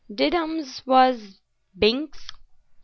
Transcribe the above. "Did ums was, Binks?